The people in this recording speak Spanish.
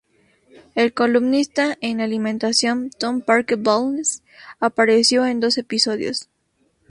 El columnista en alimentación Tom Parker Bowles apareció en dos episodios.